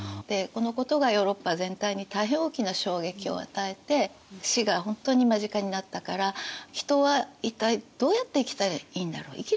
でこのことがヨーロッパ全体に大変大きな衝撃を与えて死が本当に間近になったから人は一体どうやって生きたらいいんだろう